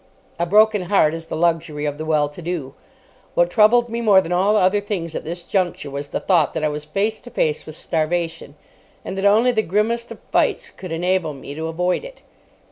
A broken heart is the luxury of the well to do. What troubled me more than all other things at this juncture was the thought that I was face to face with starvation, and that only the grimmest of fights could enable me to avoid it.